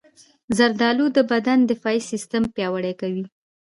زردالو د بدن دفاعي سیستم پیاوړی کوي.